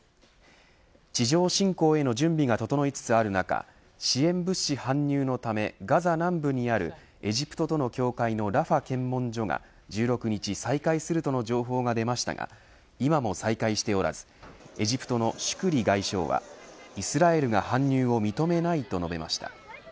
地上侵攻への準備が整いつつある中支援物資搬入のためガザ南部にあるエジプトとの境界のラファ検問所が１６日再開するとの情報が出ましたが今も再開しておらずエジプトのシュクリ外相はイスラエルが搬入を認めないと述べました。